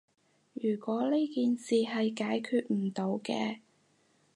如果呢件事係解決唔到嘅